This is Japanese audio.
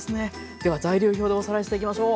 では材料表でおさらいしていきましょう。